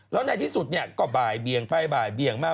แล้วในที่สุดเนี่ยก็บ่ายเบียงไปบ่ายเบียงมา